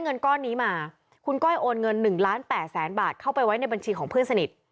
เงิน๑ล้าน๘แสนบาทเข้าไปไว้ในบัญชีของเพื่อนสนิท